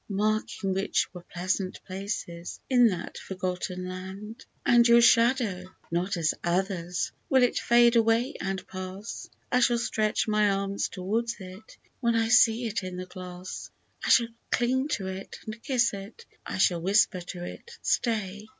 Marking which were pleasant places in that unfor gotten land ! G 82 '' After Long Yearsy And your shadow, not as others^ will it fade away and pass, I shall stretch my arms towards it when I see it in the glass ; I shall cling to it and kiss it, — I shall whisper to it, " Stay